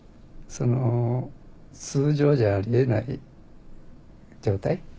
通常じゃあり得ない状態。